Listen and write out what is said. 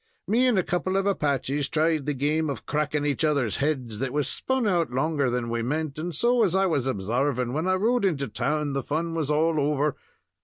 Me and a couple of Apaches tried the game of cracking each other's heads, that was spun out longer than we meant, and so, as I was obsarving, when I rode into town, the fun was all over.